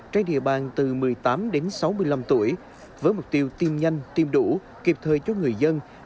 trên địa bàn từ một mươi tám đến sáu mươi năm tuổi với mục tiêu tiêm nhanh tiêm đủ kịp thời cho người dân